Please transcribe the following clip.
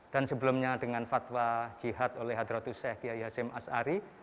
dan sebelumnya dengan fatwa jihad oleh hadratul sheikh kiai hashim ashari